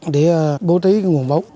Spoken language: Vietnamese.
để bố trí nguồn báu